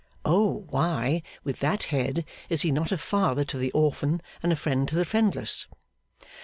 Oh! why, with that head, is he not a father to the orphan and a friend to the friendless!